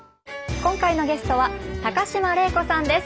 今回のゲストは高島礼子さんです。